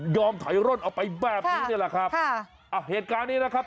ถอยร่นออกไปแบบนี้นี่แหละครับค่ะอ่ะเหตุการณ์นี้นะครับ